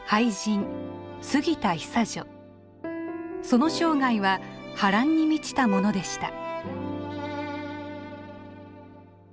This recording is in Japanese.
その生涯は波乱に満ちたものでした。